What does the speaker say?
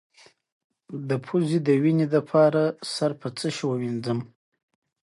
د پوزې وینې لپاره سر په څه شي ووینځم؟